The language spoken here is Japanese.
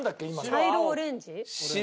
茶色オレンジ？